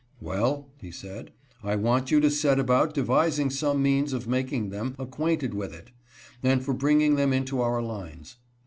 " Well," he said, " I want you to set about devising some means of making them acquainted with it, and for bringing them into our lines."